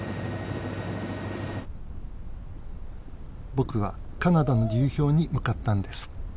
僕はカナダの流氷に向かったんです。